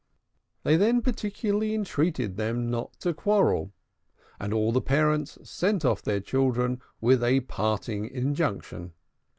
They then particularly entreated them not to quarrel; and all the parents sent off their children with a parting injunction.